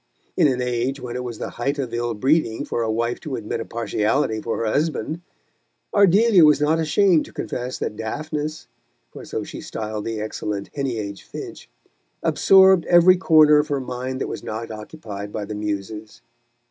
In an age when it was the height of ill breeding for a wife to admit a partiality for her husband, Ardelia was not ashamed to confess that Daphnis for so she styled the excellent Heneage Finch absorbed every corner of her mind that was not occupied by the Muses.